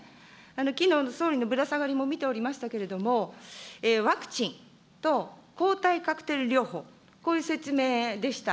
きのうの総理のぶら下がりも見ておりましたけれども、ワクチンと抗体カクテル療法、こういう説明でした。